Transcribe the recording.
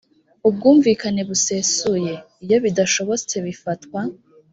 ubwumvikane busesuye. iyo bidashobotse bifatwa